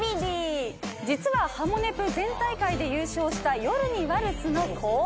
実は『ハモネプ』前大会で優勝した夜にワルツの後輩。